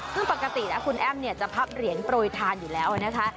ซึ่งปกตินะคุณแอ้มเนี่ยจะพับเหรียญโปรยทานอยู่แล้วนะคะ